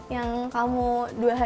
yang kamu dua hari dua malam ya